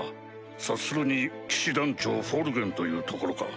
察するに騎士団長フォルゲンというところか？